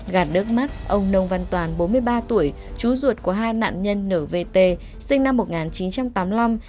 gạt đớt mắt ông nông văn toàn bốn mươi ba tuổi chú ruột của hai nạn nhân n v t sinh năm một nghìn chín trăm tám mươi năm